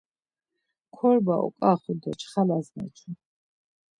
Korba oǩaxu do çxalas meçu.